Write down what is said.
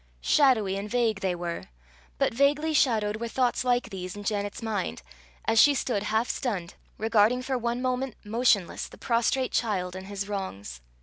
Shadowy and vague they were but vaguely shadowed were thoughts like these in Janet's mind, as she stood half stunned, regarding for one moment motionless the prostrate child and his wrongs.